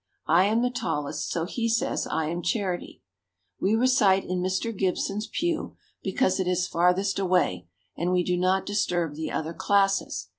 I am the tallest, so he says I am charity. We recite in Mr. Gibson's pew, because it is farthest away and we do not disturb the other classes.